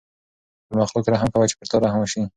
پر مخلوق رحم کوه چې پر تا رحم وشي.